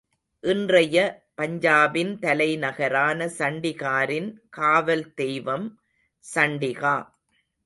இன்றைய பஞ்சாபின் தலைநகரான சண்டிகரின் காவல் தெய்வம் சண்டிகா.